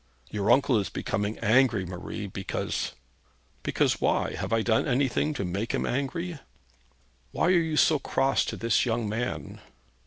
'Your uncle is becoming angry, Marie, because ' 'Because why? Have I done anything to make him angry?' 'Why are you so cross to this young man?'